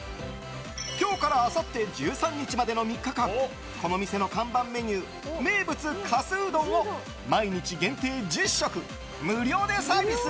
今日からあさって１３日までの３日間この店の看板メニュー名物かすうどんを毎日限定１０食、無料でサービス。